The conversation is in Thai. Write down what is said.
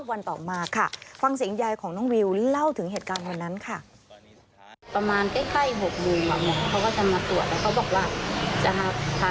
วันต่อมาค่ะฟังเสียงยายของน้องวิวเล่าถึงเหตุการณ์วันนั้นค่ะ